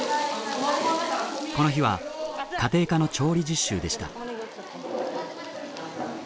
この日は家庭科の調理実習でした。